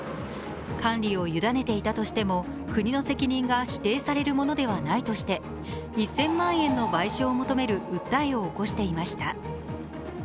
管理を委ねられていたとしても国の責任が否定されるものではないとして１０００万円の賠償を求める訴えを起こしていました。